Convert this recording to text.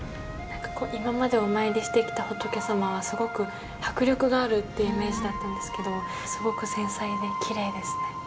なんか今までお参りしてきた仏様はすごく迫力があるってイメージだったんですけどすごく繊細できれいですね。